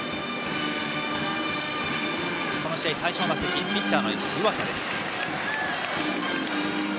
この試合最初の打席ピッチャーの湯浅。